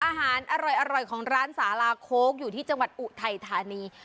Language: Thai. อาหารอร่อยของร้านสาลาโค้กอยู่ที่จังหวัดอุทัยธานี